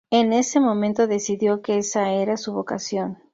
En ese momento decidió que esa era su vocación.